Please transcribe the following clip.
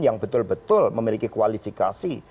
yang betul betul memiliki kualifikasi